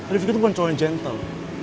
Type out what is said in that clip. rifqi tuh bukan cowok yang gentle